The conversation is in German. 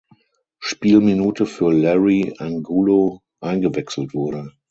Spielminute für Larry Angulo eingewechselt wurde.